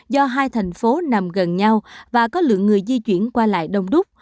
do hai thành phố nằm gần nhau và có lượng người di chuyển qua lại đông đúc